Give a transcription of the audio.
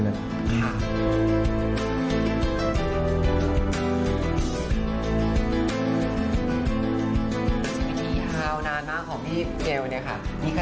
ชีวิตนี้ท้าวนานมากของพี่เดลเนี่ยค่ะ